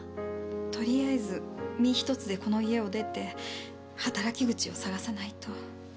とりあえず身一つでこの家を出て働き口を探さないと。